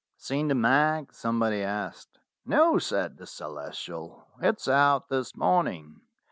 "Seen the 'Mag'?" somebody asked. "No," said the Celestial. "It's out this morning."